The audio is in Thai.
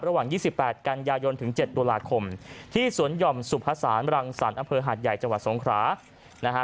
ระหว่าง๒๘กันยายนถึง๗ตุลาคมที่สวนหย่อมสุภาษารังสรรค์อำเภอหาดใหญ่จังหวัดสงครานะฮะ